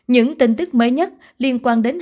những tin tức mới nhất liên quan đến